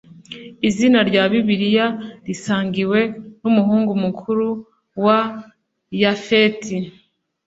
Izina rya Bibiliya risangiwe numuhungu mukuru wa Yafeti